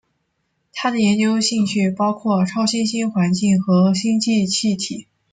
他的研究兴趣包括超新星环境和星际气体。